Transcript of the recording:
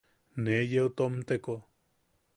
Ne yeu tomteko.